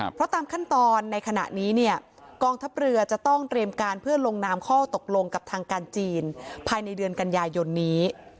เพราะตามขั้นตอนในขณะนี้เนี่ยกองทัพเรือจะต้องเตรียมการเพื่อลงนามข้อตกลงกับทางการจีนภายในเดือนกันยายนนี้